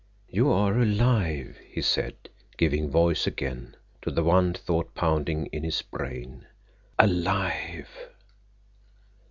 "You are alive," he said, giving voice again to the one thought pounding in his brain. "_Alive!